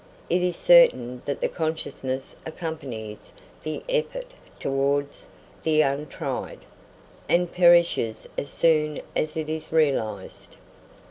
It is certain that the consciousness accompanies the effort towards the untried, and perishes as soon as it is realised.